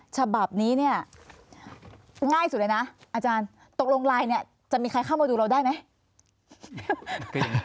ฉบับนี้เนี่ยง่ายสุดเลยนะอาจารย์ตกลงไลน์เนี่ยจะมีใครเข้ามาดูเราได้ไหม